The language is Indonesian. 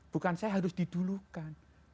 bukan saya harus didulukan